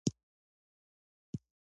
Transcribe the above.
د جنوبي امریکا خلیجونه څه پوهیږئ؟